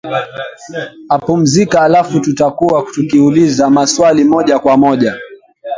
apumzika alafu tutakuwa tukiuliza maswali moja kwa moja